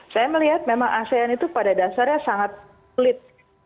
saya melihat memang asean itu pada dasarnya sangat sulit